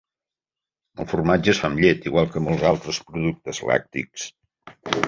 El formatge es fa amb llet, igual que molts altres productes lactis.